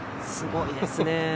すごいですね。